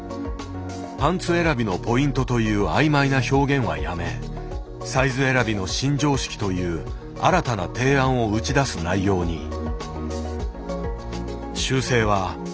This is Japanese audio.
「パンツ選びのポイント」という曖昧な表現はやめ「サイズ選びの新常識」という新たな提案を打ち出す内容に。